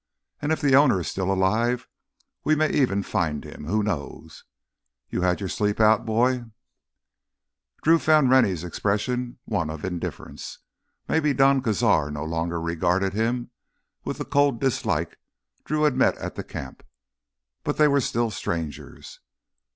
And if the owner is still alive, we may even find him—who knows? You had your sleep out, boy?" Drew found Rennie's expression one of indifference. Maybe Don Cazar no longer regarded him with the cold dislike Drew had met at the camp, but they were still strangers.